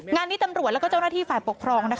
งานนี้ตำรวจและเจ้าหน้าที่ฝ่ายปกครอง